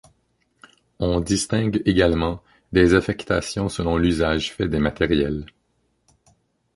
On distingue également des affectations selon l'usage fait des matériels.